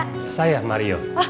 satu kg hai akan